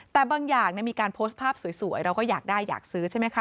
แต่บางอย่างมีการโพสต์ภาพสวยเราก็อยากได้อยากซื้อใช่ไหมคะ